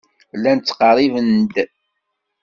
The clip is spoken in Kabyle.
Llan ttqerriben-d.